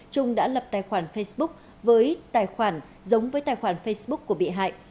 trung đã lập tài khoản facebook với tài khoản giống với tài khoản facebook của bị hại